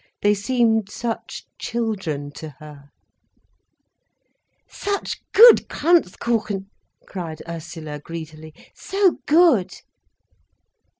They seemed such children to her. "Such good Kranzkuchen!" cried Ursula greedily. "So good!"